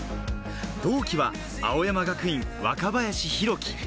同期は青山学院・若林宏樹。